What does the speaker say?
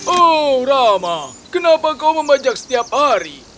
oh rama kenapa kau membajak setiap hari